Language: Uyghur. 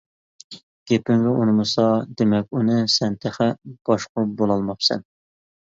گېپىڭگە ئۇنىمىسا، دېمەك ئۇنى سەن تېخى باشقۇرۇپ بولالماپسەن.